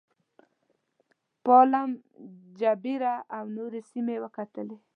پالم جبیره او نورې سیمې وکتلې.